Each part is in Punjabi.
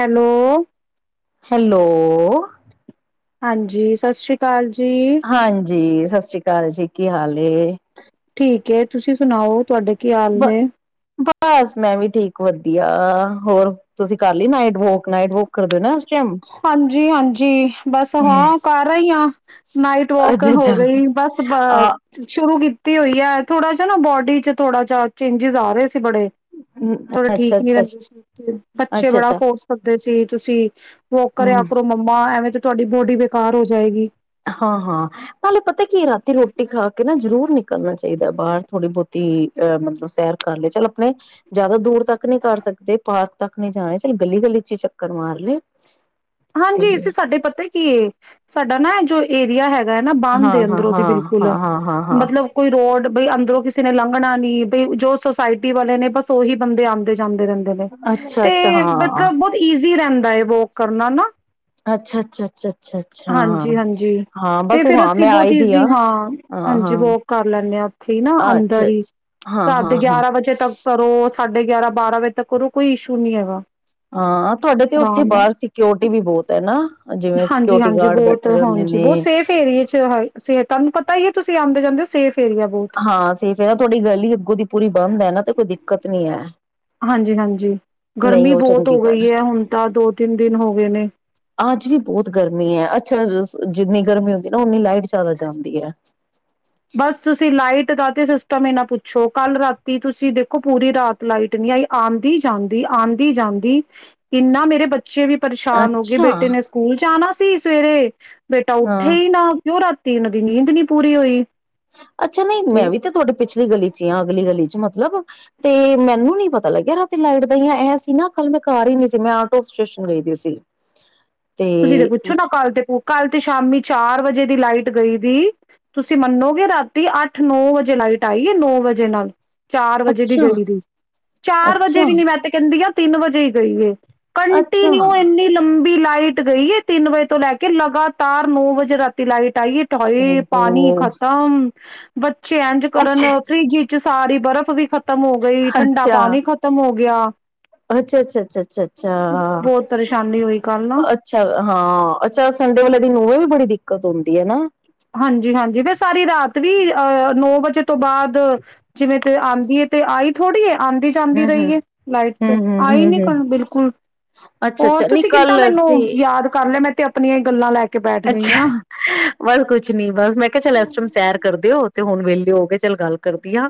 ਹੈਲੋ। ਹੈਲੋ। ਹਾਂਜੀ, ਸਤ ਸ੍ਰੀ ਕਾਲ। ਹਾਂਜੀ। ਸਤ ਸ਼੍ਰੀ ਕਾਲ ਜੀ, ਕੀ ਹਾਲ ਏ? ਠੀਕ ਏ, ਤੁਸੀਂ ਸੁਣਾਓ ਤੁਵਾਡੇ ਕੀ ਹਾਲ ਬ ਨੇ। ਬਸ ਮੈਂ ਵੀ ਠੀਕ ਵਧੀਆ ਹੋਰ ਤੁਸੀਂ ਕਰ ਲਈ ਨਾਈਟ ਵੋਕ ਨਾਈਟ ਵੋਕ ਕਰਦੇ ਹੋ ਨਾ ਇਸ ਟਾਈਮ ਹਾਂਜੀ ਹਾਂਜੀ ਬਸ ਹਾਂ ਕਰ ਰਹੀ ਹਾਂ ਨਾਈਟ ਵੋਕ ਅੱਛਾ ਅੱਛਾ ਹੋ ਗਈ ਬਸ ਬ ਆ ਸ਼ੁਰੂ ਕੀ ਹੋਈ ਹੈ ਥੋੜਾ ਜਿ ਨਾ ਬੋਡੀ ਚ ਥੋੜਾ ਜਿਹਾ ਚੈਨਜੇਸ ਆ ਰਹੇ। ਬੜੇ ਥੋੜੇ ਅੱਛਾ ਠੀਕ ਨੀ ਅੱਛਾ ਅੱਛਾ ਰਹਿੰਦੇ ਸੀ ਬੱਚੇ ਅੱਛਾ ਬੜਾ ਅੱਛਾ ਫੋਰਸ ਕਰਦੇ ਸੀ। ਤੁਸੀਂ ਵੋਕ ਕਰਿਆ ਹਮ ਕਰੋ ਮੰਮਾ ਐਵੇਂ ਤੇ ਤੁਹਾਡੀ ਬੋਡੀ ਬੇਕਾਰ ਹੋ ਜਾਏਗੀ। ਹਾਂ ਤੇ ਨਾ ਜ਼ਰੂਰ ਨਿਕਲ ਕਰਨਾ ਚਾਹੀਦਾ ਬਾਹਰ ਥੋੜ੍ਹੀ ਬਹੁਤ ਤੀ ਅਹ ਮਤਲਬ ਸੈਰ ਕਰ ਲਏ, ਚੱਲ ਆਪਣੇ ਜ਼ਿਆਦਾ ਦੂਰ ਤੱਕ ਨਹੀਂ ਕਰ ਸਕਦੇ, ਪਾਰਕ ਤੱਕ ਨਹੀਂ ਜਾਯਾ, ਚੱਲ ਗਲੀ ਗਲੀ ਚ ਹੀ ਚੱਕਰ ਮਾਰ ਲਿਆ। ਹਾਂਜੀ ਅਸੀ ਸਾਡੇ ਪਤਾ ਕੀ ਏ ਸਾਡਾ ਨਾ ਜੋ ਏਰੀਆ ਹੈ ਨਾ ਹਾਂ ਬੰਦ ਹਾਂ ਅੰਦਰੋਂ ਹਾਂ ਦੀ ਬਿਲਕੁਲ ਹਾਂ ਹਾਂ ਹਾਂ ਹਾਂ ਮਤਲਬ ਕੋਈ ਰੋਡ ਬਈ ਅੰਦਰੋਂ ਕਿਸੇ ਨੇ ਲੰਘਣਾ ਨੀ ਬਈ ਜੋ ਸੁੋਸਾਇਟੀ ਵਾਲੇ ਨੇ ਬਸ ਉਹੀ ਬੰਦੇ ਆਂਦੇ ਜਾਂਦੇ ਰਹਿੰਦੇ ਨੇ ਅੱਛਾ ਅੱਛਾ ਤੇ ਬਟ ਹਾਂ ਨਾ ਬਹੁਤ ਈਜ਼ ਵੀ ਰਹਿੰਦਾ ਹੈ ਵੋਕ ਕਰ ਹਨਾ ਨਾ ਅੱਛਾ ਅੱਛਾ ਅੱਛਾ ਅੱਛਾ ਅੱਛਾ ਹਾਂਜੀ-ਹਾਂਜੀ, ਹਾਂ ਤੇ ਬਸ ਉਹ ਫੇਰ ਹਾਂ ਅਸੀਂ ਮੈਂ ਬਹੁਤ ਆਈ ਦੀ ਆ ਈਜ਼ੀ ਹਾਂ, ਹਾਂਜੀ ਵੋਕ ਕਰ ਲੈਂਦੇ ਹਾਂ ਉੱਥੇ ਹੀ ਨਾ ਅੱਛਾ ਅੰਦਰ ਹੀ, ਅੱਛਾ ਹਾਂ ਰਾਤ ਹਾਂ ਹਾਂ ਗਿਆਰਾਂ ਵਜੇ ਤੱਕ ਕਰੋ। ਸਾਡੇ ਗਿਆਰਾਂ ਬਾਰਾਂ ਵਜੇ ਤੱਕ ਕਰੋ ਕੋਈ ਇਸ਼ੂ ਨੀ ਹੈਗਾ। ਹਾਂ ਤੁਹਾਡੇ ਤੇ ਉੱਥੇ ਆਰਾਮ ਨਾਲ ਬਾਹਰ ਸੀ ਸਕਿਓਰਟੀ ਵੀ ਬਹੁਤ ਹੈ ਨਾ, ਜਿਵੇਂ ਹਾਂਜੀ ਸਕਿਓਰਟੀ ਹਾਂਜੀ ਗਾਰਡ ਬਹੁਤ ਬੈਠੇ ਰਹਿੰਦੇ ਹਾਂਜੀ ਨੇ। ਬਹੁਤ ਸੇਫ ਏਰੀਏ ਚ ਹੈ ਸੇ ਤੁਹਾਨੂੰ ਪਤਾ ਤੁਸੀਂ ਆਂਦੇ ਜਾਂਦੇ ਹੋ ਸੇਫ ਏਰੀਆ ਬਹੁਤ ਹਾਂ ਸੇਫ ਹੈ ਨਾ, ਤੁਹਾਡੀ ਗਲੀ ਅੱਗੋਂ ਦੀ ਪੂਰੀ ਬੰਦ ਹੈ ਨਾ ਤੇ ਕੋਈ ਦਿੱਕਤ ਨੀ ਹੈ। ਹਾਂਜੀ-ਹਾਂਜੀ, ਨਹੀਂ ਗਰਮੀ ਉਹ ਬਹੁਤ ਚੰਗੀ ਹੋ ਗਈ ਗੱਲ ਹੈ ਹੁਣ ਤਾਂ ਦੋ ਤਿੰਨ ਦਿਨ ਹੋ ਗਏ ਨੇ। ਅੱਜ ਵੀ ਬਹੁਤ ਗਰਮੀ ਹੈ ਅੱਛਾ ਜਿੰਨੀ ਗਰਮੀ ਹੁੰਦੀ ਨਾ, ਉਨੀ ਲਾਈਟ ਜ਼ਿਆਦਾ ਜਾਂਦੀ ਹੈ। ਬਸ ਤੁਸੀਂ ਲਾਈਟ ਦਾ ਤੇ ਸਿਸਟਮ ਈ ਨਾ ਪੁੱਛੋ, ਕੱਲ ਰਾਤੀ ਤੁਸੀਂ ਦੇਖੋ ਪੂਰੀ ਰਾਤ ਲਾਈਟ ਨਹੀਂ ਆਈ, ਆਂਦੀ-ਜਾਂਦੀ, ਆਂਦੀ-ਜਾਂਦੀ ਇੰਨਾ ਮੇਰੇ ਬੱਚੇ ਬੱਚੇ ਵੀ ਪਰੇਸ਼ਾਨ ਹੋ ਗਏ ਅੱਛਾ ਬੇਟੇ ਨੇ ਸਕੂਲ ਜਾਣਾ ਸ ਸੀ ਸਵੇਰੇ ਬੇਟਾ ਉੱਠੇ ਹਾਂ ਹੀ ਨਾ ਕਿਉਂ ਰਾ ਤੇ ਇਹਨਾਂ ਦੀ ਨੀਂਦ ਨੀ ਪੂਰੀ ਹੋਈ ਅੱਛਾ ਨਹੀਂ ਮੈਂ ਵੀ ਤੇ ਤੁਹਾਡੇ ਪਿੱਛੇ ਅਲੀ ਗਲੀ ਚ ਆਂ, ਅਗਲੀ ਗਲੀ ਚ ਮਤਲਬ ਤੇ ਮੈਨੂੰ ਨੀ ਪਤਾ ਲੱਗਿਆ ਰਾਤੀ ਲਾਈਟ ਦਾ, ਇਹ ਸੀ ਨਾ ਕੱਲ ਮੈਂ ਘਰ ਹੀ ਨਹੀਂ ਸੀ ਮੈਂ ਆਊਟ ਆਫ ਸਟੇਸ਼ਨ ਗਈ ਸੀ। ਤੁਸੀਂ ਤੇ ਪੁੱਛੋ ਨਾ, ਕੱਲ ਤੇ, ਕੱਲ ਤੇ ਸ਼ਾਮੀ ਚਾਰ ਵਜੇ ਦੀ ਲਾਈਟ ਗਈ ਦੀ ਤੁਸੀਂ ਮੰਨੋਗੇ ਰਾਤੀ ਅੱਠ ਨੌ ਵਜੇ ਲਾਈਟ ਆਈ ਏ, ਨੌ ਵਜੇ ਨਾਲ। ਚਾਰ ਵਜੇ ਦੀ ਅੱਛਾ ਗਈ ਦੀ, ਚਾਰ ਵਜੇ ਅੱਛਾ ਵੀ ਨੀ ਮੈਂ ਤੇ ਕਹਿੰਦੀ ਆ ਤਿੰਨ ਵਜੇ ਹੀ ਗਈ ਏ। ਅੱਛਾ ਕੰਟੀਨਿਊ ਇੰਨੀ ਲੰਬੀ ਲਾਈਟ ਗਈ ਹੈ ਤਿੰਨ ਵਜੇ ਤੋਂ ਲੈ ਕੇ ਲਗਾਤਾਰ ਨੌ ਵਜੇ ਰਾਤੀ ਲਾਈਟ ਆਈ ਏ। ਹਾਏ ਪਾਣੀ ਓਹੋ ਖਤਮ। [unintelligible] ਚੇਂਜ ਕਰਨ ਅੱਛਾ ਫ੍ਰੀਜ [unintelligible] ਚ ਸਾਰੀ ਬਰਫ਼ ਵੀ ਖ਼ਤਮ ਖਤਮ ਹੋ ਗਈ, ਠੰਡਾ ਪਾਣੀ ਖਤਮ ਹੋ ਗਿਆ। ਅੱਛਾ-ਅੱਛਾ, ਅੱਛਾ-ਅੱਛਾ, ਬਹੁਤ ਪਰੇਸ਼ਾਨੀ ਹੋਈ ਕੱਲ ਨਾ ਅੱਛਾ ਹਾਂ। ਹਾਂ ਅੱਛਾ ਸੰਡੇ ਵਾਲੇ ਦਿਨ ਓਵੇਂ ਵੀ ਬੜੀ ਦਿੱਕਤ ਹੁੰਦੀ ਹੈ ਨਾ? ਹਾਂਜੀ-ਹਾਂਜੀ, ਫਿਰ ਸਾਰੀ ਰਾਤ ਵੀ ਆ ਨੌ ਵਜੇ ਤੋਂ ਬਾਅਦ ਜਿਵੇਂ ਤੇ ਆਂਦੀ ਏ ਤੇ ਆਈ ਥੋੜ੍ਹੀ ਐ। ਆਂਦੀ ਜਾਂਦੀ ਹੂੰ ਹੂੰ ਰਹੀ ਏ ਲਾਈਟ ਤੇ ਹੂੰ ਹੂੰ ਆਈ ਹੂੰ ਨਹੀ ਹੂੰ ਕੱਲ ਬਿਲਕੁਲ। ਅੱਛਾ ਹੋਰ ਅੱਛਾ ਨਹੀਂ ਤੁਸੀਂ ਕਿੱਦਾਂ ਕੱਲ ਮੈਨੂੰ ਅਸੀਂ ਯਾਦ ਕਰ ਲਿਆ ਮੈਂ ਤੇ ਆਪਣੀਆਂ ਹੀ ਗੱਲਾਂ ਲੈ ਕੇ ਬੈਠ ਗਈ ਆ। ਅੱਛਾ, ਬਸ ਕੁਛ ਨੀ ਬਸ ਮੈਂ ਕਿਹਾ ਚੱਲ ਇਸ ਟਾਇਮ ਸੈਰ ਕਰਦੇ ਓ ਤੇ ਹੁਣ ਵਿਹਲੇ ਹੋ ਕੇ ਚੱਲ ਗੱਲ ਕਰਦੀ ਆਂ।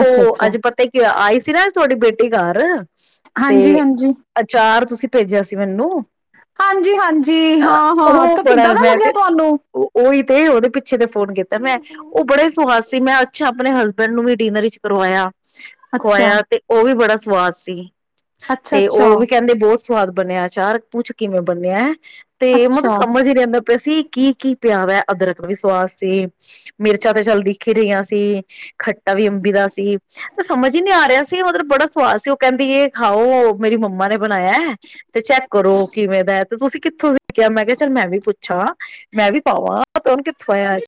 ਅੱਛਾ ਉਹ ਅੱਛਾ। ਅੱਜ ਪਤਾ ਕਿ ਹੋਇਆ ਆਈ ਸੀ ਨਾ ਤੁਹਾਡੀ ਬੇ ਘਰ ਤੇ ਅਚਾਰ ਤੁਸੀਂ ਭੇਜਿਆ ਸ ਹਾਂਜੀ-ਹਾਂਜੀ, ਅ ਹਾਂ-ਹਾਂ। ਕਿੱਦਾਂ ਦਾ ਲੱਗਿਆ ਤੁਹਾਨੂੰ? ਓਹੀ ਤੇ ਉਹਦੇ ਪੀ ਪਿੱਛੇ ਤੇ ਫੋਨ ਕੀਤਾ ਮੈਂ, ਉਹ ਬੜਾ ਈ ਸਵਾਦ ਸੀ ਮੈਂ ਅੱਛਾ ਆਪਣੇ ਹਸਬੈਂਡ ਨੂੰ ਵੀ ਡਿਨਰ ਵਿੱਚ ਕਰਵਾਇਆ, ਅੱਛਾ। ਖਵਾਇਆ ਤੇ ਉਹ ਵੀ ਬੜਾ ਸਵ ਸਵਾਦ ਸੀ। ਅੱਛਾ ਤੇ ਅੱਛਾ, ਉਹ ਵੀ ਕਹਿੰਦੇ ਬਹੋਤ ਸਵਾਦ ਬਣਿਆ ਅਚਾਰ, ਪੁੱਛ ਕਿਵੇਂ ਬਣਿਆ ਐ? [unintelligible] ਤੇ ਮਤਲਬ [inaudible] ਅੱਛਾ। ਸੰਮਜੀੇੜ ਅਦਰ ਪੈਸਸੀ ਕੀ ਪਿਆਦਾ [unintelligible] ਅਦਰਕ ਵੀ ਸਵਾਦ ਸੀ [unintelligible] ਮਿਰਚਾਂ ਤੇ ਚੱਲ ਦਿਖੀ ਰਹੀਆਂ ਸੀ [unintelligible] ਖੱਟਾ ਵੀ ਅੰਬੀ ਦਾ ਸੀ ਤੇ ਸਮਝ ਹੀ ਨਹੀਂ ਆ ਰਿਹਾ ਸੀ [unintelligible] ਮਤਲਬ ਬੜਾ ਸਵਾਦ ਸੀ [unintelligible] ਕਹਿੰਦੀ ਇਹ ਖਾਓ ਮੇਰੀ ਮੰਮਾ ਨੇ ਬਣਾਇਆ [unintelligible] ਤੇ ਚੈੱਕ ਕਰੋ ਕਿਵੇਂ ਦਾ [inaudible] ਤੇ ਤੁਸੀਂ ਕਿੱਥੋਂ ਸਖਿਆ ਮੈਂ ਕਿਹਾ [inaudible] ਚੱਲ ਮੈਂ ਵੀ ਪੁੱਛਾਂ ਮੈਂ ਵੀ ਪਾਵਾਂ ਤ ਉਹਨੂੰ ਕਿੱਥੋਂ ਆਆੱ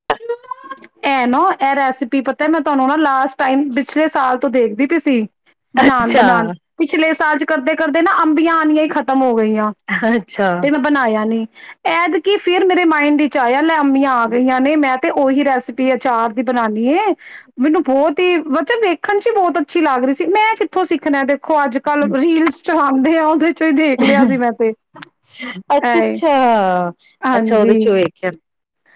[unintelligible] ਇਹ ਨਾ ਇਹ ਰੈਸਿਪੀ ਪਤਾ ਹੈ ਮੈਂ ਤੁਹਾਨੂੰ ਨਾ ਲਾਸਟ [unintelligible] ਟਮ ਪਿਛਲੇ ਸਾਲ ਤੋਂ ਦੇਖ [unintelligible] ਬ ਪੀ ਸੀ [inaudible] ਬਣਾਉਣ ਬਣਾਉਣ ਅੱਛਾ ਪਿਛਲੇ [unintelligible] ਜ ਕਰਦੇ ਕਰਦੇ ਨਾ ਅੰਬੀਆਂ ਆਉਣੀਆਂ ਹੀ ਖਤ [unintelligible] ਖਤਮ ਹੋ ਗਈਆਂ ਅੱਛਾ ਤੇ ਮੈਂ ਬਣਾਇਆ ਨੀ [unintelligible] ਐਦਕ ਫਿਰ ਮੇਰੇ ਮਾਇੰਡ ਵਿੱਚ ਆਇਆ ਲੈ ਅਮੀਆਂ ਆ ਗਈਆਂ ਨੇ ਮੈਂ [unintelligible] ਤੇ ਉਹੀ ਰੈਸਪੀ ਅਚਾਰ ਦੀ ਬਣਾਉਾਨੀ ਏ ਮੈਨੂੰ ਬਹੁਤ ਹੀ ਮਤਲਬ ਵੇਖਣ ਚ ਹੀ ਬਹੁਤ ਅੱਛੀ ਲੱਗ ਰਹੀ ਸੀ ਮੈਂ ਕਿੱਥੋਂ ਸਿੱਖਣਾ ਤੇ [unintelligible] ਦੇੋ ਅੱਜ ਕੱਲ ਰੀਲਸ ਚਲਾਉਂਦੇ ਆ ਉਹਦੇ ਚੋਂ ਹੀ ਦੇਖ ਲਿਆ ਸੀ [unintelligible] ਮੈਂ ਤੇ ਐ ਅੱਛਾ ਅੱਛਾ ਅੱਛਾ ਉਹਦੇ ਹਾਂਜੀ ਚੋਂ ਵੇਖਿਆ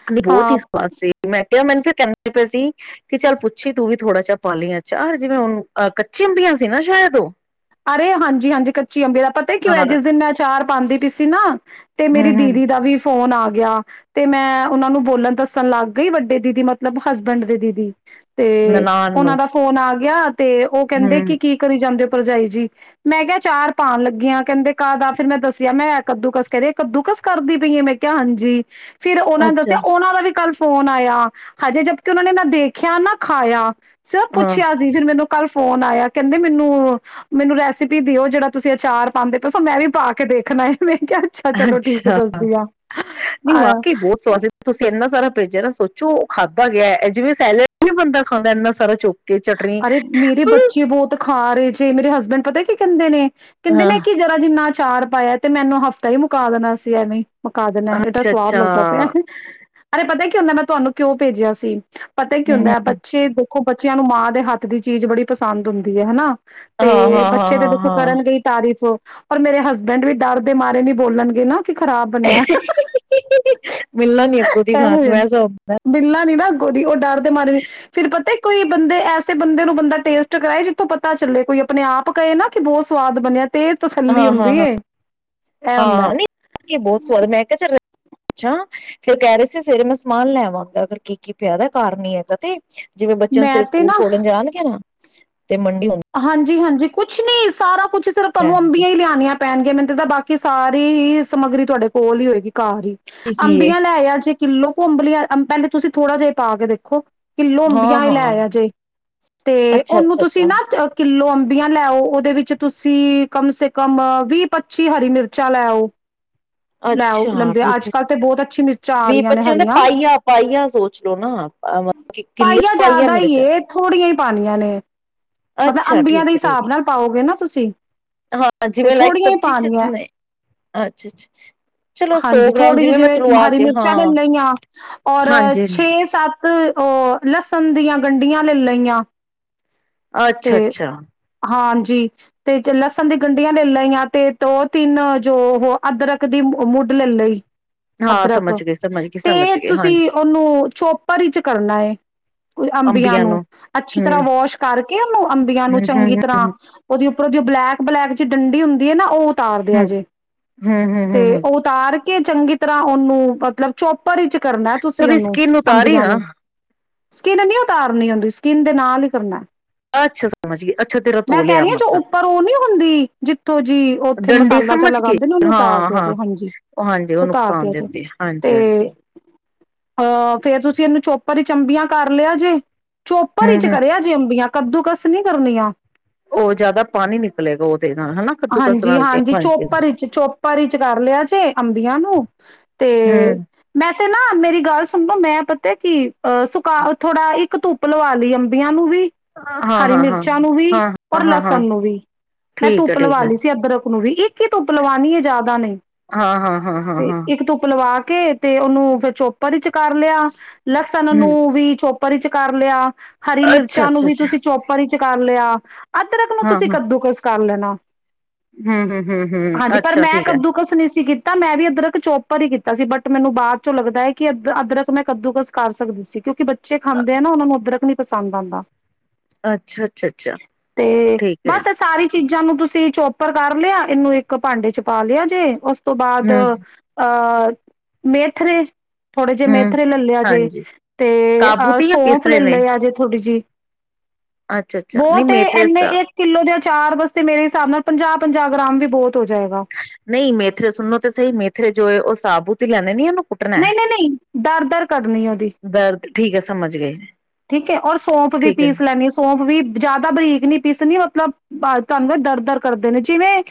[unintelligible] ਬਹੁਤ ਹਾਂ ਹੀ ਸਵਾਦ ਸੀ ਮੈਂ [unintelligible] ਮੈਨੂੰ ਫਿਰ ਕਹਿੰਦੇ ਪਏ ਸੀ ਕਿ ਚੱਲ ਪੁੱਛੀ ਤੂੰ ਵੀ ਥੋੜਾ ਜਿਹਾ ਪਾ ਲ ਆ ਚਾਰ ਜਿਵੇਂ ਹੁਣਹ ਕੱਚੀਆਂ ਆਬੀਆਂ ਸੀ ਨਾ ਸ਼ਾਇਦ ਉਹ [unintelligible] ਅਰੇ ਹਾਂਜੀ ਹਾਂਜੀ ਕੱਚੀ ਅੰਬੇ ਦਾ [unintelligible] ਪਤਾ ਕਿਉਂ ਹਾਂ ਜਿਸ ਦਿਨ ਮੈਂ ਅਾਰ ਪਾਉਂਦੀ ਪੀ ਸੀ ਨਾ [unintelligible] ਤੇ ਹੂੰ ਮੇਰੀ ਹੂੰ ਦੀਦੀ ਦਾ ਵੀ [unintelligible] ਫੋਨ ਆ ਗਿਆ ਤੇ ਮੈਂ ਉਹਨਾਂ ਨੂੰ ਬੋਲਣ ਦੱਸਣ ਲੱਗ ਗਈ ਵੱਡੇ ਦੀਦੀ ਮਤਲਬ ਹਸਬੈਂਡ ਦੇ ਦੀਦੀ [unintelligible] ਤੇ ਨਨਾਣ ਨੂੰ ਉਹਨਾਂ ਦਾ ਫੋਨ ਆ [inaudible] ਯ [unintelligible] ਤੇ ਉਹ ਕਹਿੰਦੇ ਕਿ ਹੂੰ ਕੀ ਕਰੀ ਜਾਂਦੇ ਭਰਜਾਈ ਜੀ ਮੈਂ ਕਿਹਾ ਚਾਰ ਪਾਣ ਲੱਗੀਆਂ ਕਹਿੰਦੇ ਕਾਹਦਾ ਫਿਰ ਮੈਂ ਦੱਸਿਆ। ਮੈਂ ਕੱਦੂਕਸ ਕਰ ਕੱਦੂਕਸ ਕਰਦੀ ਪਈਏ ਮੈਂ ਕਿਹਾ ਹਾਂਜੀ ਫਿਰ ਉਹਨਾ ਨੇ ਅੱਛਾ ਦੱਸਿਆ, ਉਹਨਾਂ ਦਾ ਵੀ ਕੱਲ ਫੋਨ ਆਇਆ ਹਜੇ ਜਦ ਕ ਉਹਨਾਂ ਨੇ ਮੈਂ ਦੇਖਿਆ, ਨਾ ਖਾਇਆ ਸਰ ਹਾਂ ਪੁੱਛਿਆ ਸੀ। ਫਿਰ ਮੈਨੂੰ ਕੱਲ ਫੋਨ ਆਇਆ ਕਹਿੰਦੇ ਮੈਨੂੰ ਮੈਨੂੰ ਰੈਸਪੀ ਦਿਓ ਜਿਹੜਾ ਤੁਸੀਂ ਅਚਾਰ ਪਾਂਦੇ ਪਏ ਸੋ ਮੈਂ ਵੀ ਪਾ ਕੇ ਦੇਖਣਾ ਐਵੇ। ਅੱਛਾ, ਨਹੀਂ ਆ ਵਾਕਈ ਬਹੁਤ ਸਵਾਦ ਸੀ ਤੁਸੀਂ ਇੰਨਾ ਸਾਰਾ ਭੇਜਿਆ ਨਾ ਸੋਚੋ ਉਹ ਖਾਧਾ ਗਿਆ। ਇਹ ਜਿਵੇਂ ਸੈਲਡ ਨੀ ਬੰਨਦਾ ਖਾਂਦਾ ਇੰਨਾ ਸਾਰਾ ਚੁ ਅਰੇ ਮੇਰੇ ਬੱਚੇ ਬਹੁਤ ਖਾ ਰਹੇ ਜੇ, ਮੇਰੇ ਹਸਬੈਂਡ ਪਤਾ ਕੀ ਕਹਿੰਦੇ ਨੇ? ਕਹਿੰਦੇ ਹਾਂ ਨੇ ਕਿ ਜਰਾ ਜਿੰਨਾ ਚਾਰ ਪਾਇਆ ਤੇ ਮੈਨੂੰ ਹਫ਼ਤਾ ਹੀ ਮੁਕਾ ਦੇਣਾ ਸੀ ਐਵੇਂ ਈ। ਪਾ ਦੇਨਾ, ਏਡਾ ਅੱਛਾ ਸਵਾਦ ਅੱਛਾ ਲੱਗਦਾ ਪਿਆ। ਅਰੇ ਪਤਾ ਕੀ ਹੁੰਦਾ, ਮੈਂ ਤੁਹਾਨੂੰ ਕਿਉਂ ਭੇਜਿਆ ਸੀ? ਪਤਾ ਕੀ ਹੂੰ ਹੁੰਦਾ ਹੂੰ ਹੈ ਬੱਚੇ ਖੋ ਬ ਬੱਚਿਆਂ ਨੂੰ ਮਾਂ ਦੇ ਹੱਥ ਦੀ ਚੀਜ਼ ਬੜੀ ਪਸੰਦ ਹੁੰਦੀ ਐ, ਹਨਾ? ਹਾਂ ਤੇ ਹਾਂ ਹਾਂ ਬੱਚੇ ਤੇ ਦੇਖੋ ਹਾਂ ਹਾਂ ਕਰਨਗੇ ਈ ਤਾਰੀਫ਼। ਔਰ ਮੇਰੇ ਹਸਬੈਂਡ ਵੀ ਡਰ ਦੇ ਮਾਰੇ ਨੀ ਬੋਲਨਗੇ ਨਾ। ਕੀ ਖ਼ਰਾਬ ਬਣਿਆ। ਮਿਲਣਾ ਨੀ ਅੱਗੋਂ ਦੀ ਖਾਣ ਇਹੋ ਨੂੰ ਜਿਹਾ, ਐਸਾ ਮਿੱਲਲਾ ਨੀ ਨਾ ਅੱਗੋਂ ਦੀ ਉਹ ਡਰਦੇ ਮਾਰੇ ਫਿਰ ਪਤਾ ਕੋਈ ਬੰਦੇ ਐਸੇ ਬੰਦੇ ਨੂੰ ਬੰਦਾ ਟੇਸਟ ਕਰਾਏ, ਜਿੱਥੋਂ ਪਤਾ ਚੱਲੇ ਕੋਈ ਆਪਣੇ ਆਪ ਕਹੇ ਨਾ ਕਿ ਬਹੁਤ ਸਵਾਦ ਬਣਿਆ। ਤੇ ਤਸੱਲੀ ਹਾਂ, ਹਾਂ, ਹੁੰਦੀ ਏ ਹਾਂ, ਇਹ ਹਾਂ ਹੁੰਦਾ ਨਹੀਂ ਵਾਕਈ ਬਹੁਤ ਸਵਾਦ ਮੈਂ ਕਿਹਾ ਚੱਲ ਅੱਛਾ ਫੇਰ ਕਹਿ ਰਹੇ ਸੀ ਸਵੇਰੇ ਮੈਂ ਸਮਾਨ ਲੈ ਆਵਾਂਗਾ, ਅਗਰ ਕੀ ਕੀ ਪਿਆ ਦਾ ਘਰ ਨੀ ਹੈਗਾ ਤੇ। ਜਿਵੇਂ ਬੱਚਿਆਂ ਨੂੰ ਮੈਂ ਸਵੇਰੇ ਤੇ ਸਕੂਲ ਨਾ ਛੋੜਨ ਜਾਣਗੇ ਨਾ। [unintelligible] ਤੇ ਮੰਡੀ ਹੁੰ ਹਾਂਜੀ-ਹਾਂਜੀ ਕੁਛ ਨੀ ਸਾਰਾ ਕੁਛ ਸਿਰਫ਼ ਤੁਹਾਨੂੰ ਲੈਣਗੇ ਅੰਬੀਆਂ ਹੀ ਲਿਆਨੀਆਂ ਪੈਣਗੇ, ਮੈਨੂੰ ਤਾਂ ਬਾਕੀ ਸਾਰੀ ਹੀ ਸਮੱਗਰੀ ਤੁਹਾਡੇ ਕੋਲ ਹੀ ਹੋਏਗੀ। ਘਰ ਹੀ, ਕੀ ਕੀ ਏ ਅੰਬੀਆਂ ਲੈ ਆਇਆ ਜੇ ਕਿੱਲੋ ਕੁ ਅੰਬ ਲਿਆ, ਪਹਿਲੇ ਤੁਸੀਂ ਥੋੜਾ ਜਿਹਾ ਪਾ ਕੇ ਦੇਖੋ। ਕਿਲੋ ਹਾਂ ਅੰਬੀਆ ਹੀ ਲੈ ਹਾਂ ਆਇਆ ਜੇ ਤੇ ਅੱਛਾ ਉਹਨੂੰ ਅੱਛਾ ਤੁਸੀਂ ਅੱਛਾ ਨਾ ਕਿੱਲੋ ਅੰਬੀਆਂ ਲੈ ਆਓ, ਉਹਦੇ ਵਿੱਚ ਤੁਸੀਂ ਕੱਮ ਸੇ ਕੱਮ ਵੀਹ ਪੱਚੀ ਹਰੀ ਮਿਰਚਾਂ ਲੈ ਆਓ। ਲੈ ਆਓ ਅੱਛਾ ਲੰਬੇ ਠੀਕ ਅੱਜ ਹੈ, ਕੱਲ੍ਹ ਠੀਕ, ਤੇ ਬਹੁਤ ਅੱਛੀ ਮਿਰਚਾਂ ਆ ਵੀਹ‌ ਰਹੀਆਂ ਨੇ ਪਚਿਆਂ, ਹਰੀਆਂ ਪਾਈਆ-ਪਾਈਆ ਸੋਚ ਲੋ ਨਾ, ਮਤਲਬ‌ ਕਿ ਕਿੱਲੋ ਚ ਪਾਈਆ ਜ਼ਿਆਦਾ ਹੀ ਮਿਰਚਾ ਏ ਥੋੜੀਆਂ ਹੀ ਪਾਣੀਆਂ ਨੇ ਮਤਲਬ ਅੰਬੀਆਂ ਦੇ ਹਿਸਾਬ ਨਾਲ ਪਾਓਗੇ ਨਾ ਤੁਸੀਂ ਹੈ ਤੇ ਥੋੜ੍ਹੀਆਂ ਹੀ ਪਾਨੀਆਂ ਏ। ਅੱਛਾ-ਅੱਛਾ। [unintelligible] ਹਾਂਜੀ ਥੋੜ੍ਹੀ ਜਿਹੀ ਜਿਵੇਂ ਹਰੀ ਕੇ ਮਿਰਚਾਂ ਹਾਂ ਲੈ ਲਈ ਹ ਔਰ ਹਾਂਜੀ ਛੇ ਹਾਂਜੀ ਸੱਤ- ਉਹ ਲਸਣ ਦੀਆਂ ਗੰਢੀਆਂ ਲ ਲਈਆਂ- ਅੱਛਾ- ਅੱਛਾ ਜੀ ਤੇ ਲਸਣ ਦੀ ਗੰਢੀਆਂ ਲੈ ਲਈਆਂ ਤੇ ਦੋ ਤਿੰਨ ਜੋ ਉਹ ਅਦਰਕ ਦੀ ਮੁਢ ਲੈ ਲਈ- ਹਾਂ ਅਦਰਕ ਸਮਝ ਗਏ, ਸਮਝ ਗਏ, ਤੇ ਸਮਝ ਗਏ ਤੁਸੀਂ ਹਾਂਜੀ ਉਹਨੂੰ ਚੋਪਰ ਵਿਚ ਕਰਨਾ ਹੈ ਕੁ ਅੰਬੀਆਂ ਨੂੰ ਅੱਛੀ ਹੂੰ ਤਰ੍ਹਾਂ ਵਾਸ਼ ਕਰਕੇ- ਅੰਬੀਆਂ ਨੂੰ ਹੂੰ ਹੂੰ ਚੰਗੀ ਹੂੰ ਤਰ੍ਹਾਂ ਉਹਦੇ ਉੱਪਰੋਂ ਦੀ ੳਹ ਬਲੈਕ- ਲੈਗ ਚ ਡੰਡੀ ਹੁੰਦੀ ਹੈ ਨਾ ਉਹ- ਉਤਾਰ ਦੇਆ ਹੂੰ ਜੇ ਹੂੰ ਹੂੰ ਤੇ ਹੂੰ ਹੂੰ ਉਹ ਉਤਾਰ- ਕੇ ਚੰਗੀ ਤਰ੍ਹਾਂ ਉਹਨੂੰ ਮਤਲਬ ਚੁਪ- ਭਰੀ ਚ ਕਰਨਾ ਤੇ ਤੁਸੀਂ ਉਹਦੀ ਉਹਨੂੰ ਸਕਿੰਨ ਉਤਾਰੀ ਅੰਬੀਆਂ ਨਾ ਨੂੰ- ਸਕਿਨ ਨਹੀ ਉਤਾਰਨੀ ਉਦੀ ਸਕਿਨ ਦੇ ਨਾਲ ਹੀ ਕਰਨਾ- ਅੱਛਾ ਸਮਝ ਗਈ ਅੱਛਾ ਤੇਰਾ ਮੈਂ ਧੋ ਕਹਿ ਲਿਆ ਰਹੀ ਹਾਂ ਜੋ ਮਤਲਬ ਉੱਪਰ ਉਹ ਨੀ ਹੁੰਦੀ ਜਿੱਥੋਂ ਜੀ ਉੱਥੇ ਡੰਡੇ ਮਸਾਲਾ ਜ ਸਮਝ ਕੇ ਲਗਾਉਂਦੇ ਨੇ ਉਹਨੂੰ ਹਾਂ ਉਤਾਰਦੇਿਆਂ ਜੇ ਹਾਂ ਹਾਂਜੀ ਉਹ ਹਾਂਜੀ ਉਹ ਨੁਕਸਾਨ ਉਤਾਰਦੇਿਆਂ ਜੇ ਦਿੰਦੇ ਹਾਂਜੀ ਹਾਂਜੀ ਤੇ- ਅਹ ਫੇਰ ਤੁਸੀਂ ਇਹਨੂੰ ਚੋਪਰ ਚੰਬੀਆਂ ਕਰ ਲਿਆ ਜੇ- ਹੂੰ ਚੋਪਰ ਚ ਹੂੰ ਕਰਿਆ ਜੇ ਅੰਬੀਆਂ- ਕੱਦੂਕਸ ਨੀ ਕਰਨੀਆਂ- ਉਹ ਜਿਆਦਾ ਪਾਣੀ ਨਿਕਲੇਗਾ ਉਹਦੇ ਨਾਲ ਹਨਾ ਕੱਦੂਕਸ ਹਾਂਜੀ- ਨਾਲ ਤੇ ਹਾਂਜੀ ਹਾਂਜੀ ਚੋਪਰ ਚ ਚੋਪਰ ਚ ਕਰ ਲਿਆ ਜੇ ਅੰਬੀਆਂ ਨੂੰ ਤੇ ਹੂੰ ਮੈਂ- ਤੇ ਨਾ ਮੇਰੀ ਗੱਲ ਸੁਣੋਓ ਮੈਂ ਪਤਾ ਕਿ ਅਹ ਸੁਕਾ ਥੋੜਾ ਇੱਕ ਧੁੱਪ ਲਵਾ ਲਈ ਅੰਬੀਆਂ ਨੂੰ ਵੀ- ਹਾਂ ਹਰੀ ਹਾਂ ਹਾਂ ਮਿਰਚਾਂ ਨੂੰ ਵੀ ਹਾਂ ਹਾਂ ਔਰ ਹਾਂ ਹਾਂ ਲਸਣ ਨੂੰ ਵੀ ਮੈਂ ਠੀਕ ਹੈ ਧੁੱਪ ਠੀਕ ਲਵਾ ਹੈ ਲਈ ਸੀ ਅਦਰਕ- ਨੂੰ ਵੀ ਇੱਕ ਹੀ ਧੁੱਪ ਲਵਾਣੀ ਹੈ ਜ਼ਿਆਦਾ ਨਹੀਂ- ਹਾਂ ਹਾਂ ਹਾਂ ਹਾਂ ਤੇ ਹਾਂ ਇੱਕ ਧੁੱਪ ਲਵਾ- ਕੇ ਤੇ ਉਹਨੂੰ ਫਿਰ ਚੇਪ- ਚੋਪਰ ਚ ਕਰ ਲਿਆ ਲਸਣ ਨੂੰ ਹੂੰ ਵੀ ਚੋਪਰ ਚ- ਕਰ ਲਿਆ। ਹਰੀ ਅੱਛਾ ਮਿਰਚਾਂ ਨੂੰ ਅੱਛਾ ਵੀ ਅੱਛਾ ਤੁਸੀਂ- ਚ ਕਰ ਲਿਆ। ਅੱਧਰਕ ਨੂੰ ਤੁਸੀਂ ਕੱਦੂ ਕਸ- ਕਰ ਲੈਣਾ- ਹਮ ਹਮ ਹਮ ਹਮ ਅੱਛਾ ਠੀਕ ਹੈ। ਤਾਂ ਮੈਂ ਵੀ ਅਦਰਕ ਚੋਪਰ ਹੀ ਕੀਤਾ ਸੀ ਬਟ ਮੈਨੂੰ ਬਾਅਦ ਚੋਂ ਲੱਗਦਾ ਹੈ ਕਿ ਅ ਅਦਰਕ ਮੈਂ ਕੱਦੂਕਸ ਕਰ ਸਕਦੀ ਸੀ ਕਿਉਂਕਿ ਬੱਚ- ਬੱਚੇ ਖਾਂਦੇ ਆ ਨਾ ਉਹਨਾਂ ਨੂੰ ਅਦਰਕ- ਨੀ ਪਸੰਦ ਆਂਦਾ। ਅੱਛਾ ਅੱਛਾ ਅੱਛਾ ਠੀਕ ਹੈ। ਬਸ ਇਹ ਸਾਰੀ ਚੀਜ਼ਾਂ ਨੂੰ ਤੁਸੀਂ ਚੋਪਰ ਕਰ ਲਿਆ ਏਨੂੰ ਇੱਕ ਭਾਂਡੇ ਚ ਪਾ ਲਿਆ ਜੇ ਔਸ ਸ ਤੋਂ ਬਾਅਦ ਹੂੰ, ਅ ਅ ਮੇਥਰੇ। ਥੋੜੇ ਜੇ ਹੂੰ ਮੇਥਰੇ ਲੈ ਲਆ ਜੇ ਹਾਂਜੀ ਤੇ ਅਹ ਸਾਬੂਤ ਜਾਂ ਸੌਂਫ ਲੈ ਪੀਸਰੇ ਨੇ? ਲਆ ਜੇ ਥੋੜੀ ਜੀ। ਅੱਛਾ, ਅੱਛਾ ਨਹੀਂ ਬੌਤ ਏ ਮੇਥਰੇ ਐਨੇ ਸਾ ਏਕ ਕਿੱਲੋ ਦੇ ਅ ਚਾਰ ਬਸ ਤੇ ਮੇਰੇ ਹਿਸਾਬ ਨਾਲ ਪੰਜਾਹ ਪੰਜਾਹ ਗ੍ਰਾਮ ਵੀ ਬੌਤ ਨਹੀਂ ਮੇਥਰੇ ਸੁਣੋ ਤੇ ਸਹੀ ਮੇਥਰੇ ਜੋ ਏ ਔ ਸਾਬੂਤ ਲੈਂਣੇ ਨੇ ਤਾਂ ਮ ਨਈ ਨਈ ਨਈ, ਦਰ ਦਰ ਕਢਨੀ ਏ ਔਦੀ। ਦਰਦ ਠੀਕ ਹੈ ਸਮਝ ਗਈ। ਠੀਕ ਹੈ ਔਰ ਸੌਂਫ ਵੀ ਪੀਸ ਲੈਂਣੀ ਏ ਸੌਂਫ ਵੀ ਜੈਦਾ ਬਰੀਕ ਨੀ ਪੀਸਣੀ ਮਤਲਬ ਤੁਵਾ ਤਾਨੂੰ ਦਰ ਦਰ ਕਰਦੇ ਨੇ ਜ ਜਿਵੇਂ,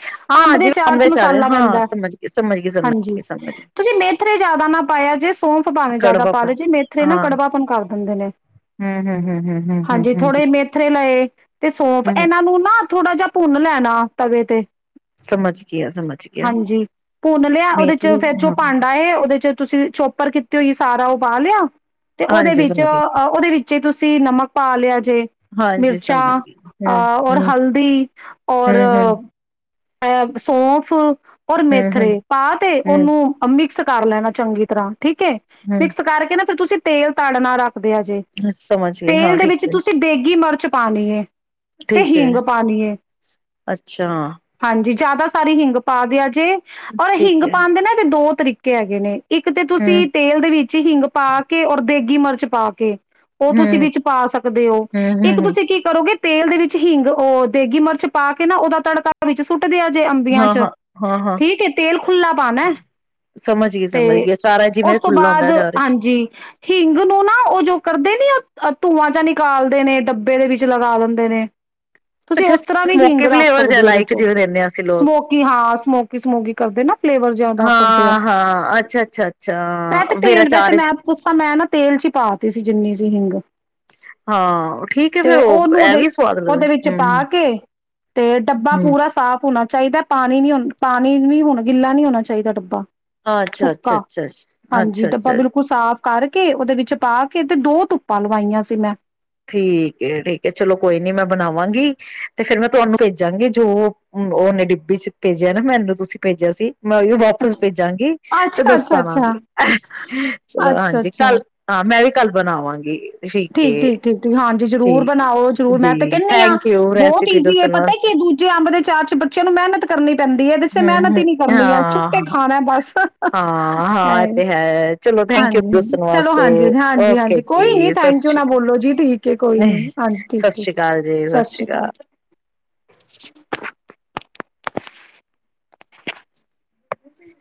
ਅੰਬ ਹਾਂ ਦੇ ਜਿਵੇਂ ਚਾਰ ਚ ਅੰਮ੍ਰਿਤ ਮਸਾਲਾ ਹਾਂ ਪੈਂਦੈ। ਸਮਝ ਗਈ, ਸਮਝ ਗਈ, ਸਮਝ ਹਾਂਜੀ, ਗਈ, ਸਮਝ ਗਈ ਤੁਸੀਂ ਮੇਥਰੇ ਜੈਦਾ ਨਾ ਪਾਯਾ ਜੇ ਸੌਂਫ ਭਾਵੇਂ ਜੈਦਾ ਪਾ ਲੋ ਜੇ ਮੇਥਰੇ ਨਾ ਹਾਂ ਕੜਵਾਪਨ ਕਰ ਦਿੰਦੇ ਨੇ। ਹੂੰ, ਹੂੰ, ਹੂੰ, ਹੂੰ, ਹੂੰ, ਹੂੰ, ਹਾਂਜੀ, ਥੋੜੇ ਹੂੰ, ਮੇਥਰੇ ਲਏ ਤੇ ਸੌਂਫ ਹੂੰ ਹੂੰ ਐਨਾਂ ਨੂੰ ਨਾ ਥੋੜਾ ਜਾ ਭੁੰਨ ਲੈਣਾ। ਆ ਤਵੇ ਤੇ। ਸਮਝ ਗਿਆ, ਸਮਝ ਗਿਆ ਹਾਂਜੀ, ਭੁੰਨ ਲਿਆ ਔਦੇ ਚ ਮੇਥਰੇ ਫੇਰ ਜੋ ਹਾਂ ਭਾਂਡਾ ਏ ਔਦੇ ਚ ਤੁਸੀਂ ਚੋਪਰ ਕੀਤੇ ਹੋਈ ਸਾਰਾ ਉ ਪਾ ਲਿਆ। ਤੇ ਔਦੇ ਹਾਂਜੀ ਵਿੱਚ ਸਮਝ ਗਈ, ਅ ਵਿੱਚੇ ਤੁਸੀਂ ਨਮਕ ਪਾ ਲਿਆ ਜ ਜੇ ਹਾਂਜੀ ਮਿਰਚਾਂ ਸਮਝ ਗਈ ਹੂੰ, ਹੂੰ, ਅ ਔਰ ਹੂੰ, ਹਲਦੀ ਔਰ ਹੂੰ, ਹੂੰ, ਅ ਸੌਂਫ ਔਰ ਹੂੰ, ਮੇਥਰੇ ਪਾ ਤੇ ਹੂੰ, ਔਨੂੰ ਅਮੀ ਸ ਕਰ ਲੈਣਾ ਚੰਗੀ ਤਰ੍ਹਾਂ। ਠੀਕ ਏ ਹੂੰ ਮਿਕਸ ਕਰਕੇ ਨਾ ਫੇਰ ਤੁਸੀਂ ਤੇਲ ਤਾੜਨਾ ਰੱਖ ਦੇਆ ਜੇ ਸਮਝ ਗਏ ਹਾਂ ਤੇਲ ਦੇ ਵਿੱਚ ਠੀਕ ਹੈ ਤੁਸੀਂ ਦੇਗੀ ਮਰ ਚ ਪਾਣੀ ਏ। ਠੀਕ ਹੈ, ਅੱਛਾ। ਹਾਂਜੀ, ਜੈਦਾ ਸਾਰੀ ਹਿੰਗ ਪਾ ਦੇ ਆ ਜੇ ਅਰ ਠੀਕ ਹਿੰਗ ਹੈ ਪਾਨ ਦੇ ਨਾ ਏਦੇ ਦੋ [unintelligible] ਤਰੀਕੇ ਹੈਗੇ ਨੇ [unintelligible] ਇੱਕ ਤੇ ਹਮ ਤੁਸੀਂ ਤੇਲ ਦੇ ਵਿੱਚ ਹਿੰਗ ਪਾ ਕੇ ਔਰ ਦੇਖ [unintelligible] ਡੇਗੀ ਮਿਰਚ ਪਾ ਕੇ [unintelligible] ਉਹ ਤੁਸੀਂ ਹਮ ਵਿੱਚ ਪਾ ਸਕਦੇ ਹੋ ਹਮ ਇੱਕ ਹਮ ਹਮ ਤੁਸੀਂ ਕੀ ਕਰੋਗੇ [unintelligible] ਤੇਲ ਦੇ ਵਿੱਚ ਹਿੰਗ ਉਹ ਦੇਗੀ ਮਿਰਚ ਪਾ ਕੇ ਨਾ ਉਹਦਾ ਤੜਕਾ [inaudible] ਵਿੱਚ [unintelligible] ਕੁੱਟਦੇ ਆ ਜੇ ਅੰਬੀਆਂ ਹਾਂ ਚ ਹਾਂ ਹਾਂ ਹਾਂ ਠੀਕ ਹੈ ਤੇਲ ਖੁਲਾ ਪਾਉਣਾ ਸਮਝ ਗਈ ਤੇ ਸਮਝ ਗਈ ਅਚਾਰਾ ਉਸ ਜਿਵੇਂ ਤੋਂ ਖੁੱਲਾ ਹੁੰਦਾ ਬਾਅਦ ਅਚਾਰ ਚ ਹਾਂਜੀ ਹਿੰਗ ਨੂੰ ਨਾ ਉਹ ਜੋ ਕਰਦੇ ਨੀ [unintelligible] ਧੂੰਆਂ ਚ ਨਿਕਾਲਦੇ ਨੇ ਡੱਬੇ ਦੇ ਵਿੱਚ ਲਗਾ ਦਿੰਦੇ ਨੇ [unintelligible] ਤੁਸੀਂ ਅੱਛਾ ਉਸ ਤਰ੍ਹਾਂ ਅੱਛਾ ਵੀ ਹੀਿੰਗ ਸਮੋਕੀ ਰੱਖ ਫਲੇਵਰ ਜਾਂ ਸਕਦੇ ਹੋ ਇਹਦੇ ਲਾਈਕ ਜਿਵੇਂ ਦਿੰਦੇ ਹਾਂ ਅਸੀਂ [unintelligible] ਲੋਕ ਸਮੋਕੀ ਹਾਂ ਸਮੋਕੀ ਸਮੋਕੀ ਕਰਦੇ ਨਾ [unintelligible] ਫਲੇਵਰ ਜਿਆਦਾ ਕਰਦੇ ਆ ਹਾਂ ਹਾਂ ਅੱਛਾ ਅੱਛਾ ਅੱਛਾ ਮੈਂ ਤੇ ਫੇਰ ਤੇਲ ਵੈਸੇ ਅਚਾਰ ਮੈਂ ਇਸ- ਪੁੱੱਸਾਂ ਮੈਂ ਨਾ ਤੇਲ ਚ ਹੀ ਪਾਤੀ ਸੀ ਜਿੰਨੀ ਸੀ ਹਿੰਗ ਹਾਂ ਠੀਕ ਹੈ ਫੇਰ ਤੇ ਉਹ ਉਹਨੂੰ ਇਹ ਉਹਦੇ ਵੀ ਸਵਾਦ ਲੱਗਦਾ ਉਹਦੇ ਵਿੱਚ ਪਾ ਹਮ ਕੇ [unintelligible] ਤੇ ਡੱਬਾ [unintelligible] ਹਮ ਪੂਰਾ ਸਾਫ਼ ਹੋਣਾ [unintelligible] ਚਾਹੀਦਾ ਪਾਣੀ ਨੀ ਹੋ ਪਾਣੀ ਨੀ ਹੋਣਾ ਗਿੱਲਾ ਨਹੀਂ ਹੋਣਾ ਚਾਹੀਦਾ ਡੱਬਾ [unintelligible] ਅੱਛਾ ਅੱਛਾ ਸੁੱਕਾ ਅੱਛਾ ਅੱ ਹਾਂਜੀ ਅੱਛਾ ਡੱਬਾ ਅੱਛਾ ਬਿਲਕੁਲ [unintelligible] ਕਰਕੇ ਉਹਦੇ ਵਿੱਚ ਪਾ ਕੇ ਤੇ ਦੋ ਧੁੱਪਾਂ ਲਵਾਈਆਂ ਸੀ ਮੈਂ [unintelligible] ਠੀਕ ਠੀਕ ਹੈ ਚਲੋ ਕੋਈ ਨੀ ਮੈਂ ਬਣਾਵਾਂਗੀ ਤੇ ਫੇਿਰ ਮੈਂ ਤੁਹਾਨੂੰ ਭੇਜਾਂਗੀ ਜੋ ਉਹਨੇ ਡਿੱਬੀ ਚ ਭੇਜਿਆ ਨਾ ਮੈਨੂੰ ਤੁਸੀਂ ਭੇਜਿਆ ਸੀ [unintelligible] ਮੈਂ ਵਾਪਸ ਭੇਜਾਂਗੀ ਤੇ ਅੱਛਾ, ਅੱਛਾ, ਅੱਛਾ, ਦੱਸਾਂਵਾਂਗੇ ਚਲੋ ਅੱਛਾ, ਹਾਂਜੀ ਅੱਛਾ। ਕੱਲ ਹਾਂ ਮੈਂ ਵੀ [unintelligible] ਕੱਲ ਬਣਾਵਾਂਗੇ [unintelligible] ਠੀਕ [unintelligible] ਹਾਂਜੀ ਜ਼ਰੂਰ ਠੀਕ ਬਣਾਓ ਜਰੂਰ ਮੈਂ ਤੇ ਜੀ ਕਹਿੰਦੀ ਹਾਂ ਥੈਂਕ ਯੂ ਬਹੁਤ ਰੈਸਿਪੀ ਈਜ਼ੀ ਏ ਦੱਸਣ ਪਤਾ ਵਾਸਤੇ ਕੀ ਦੂਜੇ ਅੰਬ ਦੇ ਚਾਰਅ ਚ ਬੱਚਿਆਂ ਨੂੰ ਮਿਹਨਤ ਕਰਨੀ ਪੈਂਦੀ ਹੈ ਦਸੇ ਹਮ ਮਿਹਨਤ ਹਮ ਹੀ ਨੀ ਕਰਨੀ ਹੈ ੁਟੇ ਹਾਂ ਖਾਣਾ ਬਸ। [unintelligible] ਹੈ। ਹਾਂ ਹਾਂ ਤੇ ਹੈ ਚਲੋ [unintelligible] ਥੈਂਕ ਯੂ ਹਾਂਜੀ ਹਾਂਜੀ ਦੱਸਣ ਚਲੋ ਵਾਸਤੇ ਹਾਂਜੀ ਹਾਂਜੀ ਓਕੇ ਹਾਂਜੀ ਕੋਈ ਨੀ ਜੀ ਸਤਿ ਥੈਂਕ ਯੂ ਸ਼੍ਰੀ ਨਾ ਅਕਾਲ ਬੋਲੋ ਜੀ ਠੀਕ ਹੈ ਕੋਈ ਨੀ ਹਾਂਜੀ ਠੀਕ ਸਤਿ ਠੀਕ ਸ਼੍ਰੀ ਅਕਾਲ ਜੀ ਸਤਿ ਸ਼੍ਰੀ ਸ੍ਰੀ ਅਕਾਲ [inaudible] ਹਮ